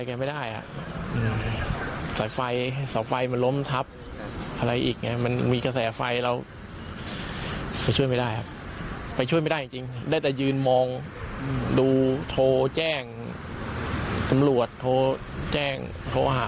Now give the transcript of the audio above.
คือภรรยาคนตายเองก็บอกว่า